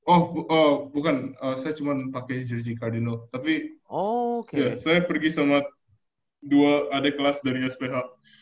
oh bukan saya cuma pakai jersi cardino tapi saya pergi sama dua adik kelas dari sph